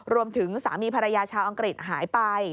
รวมถึงสามีภรรยาชาวอังกฤษหายไป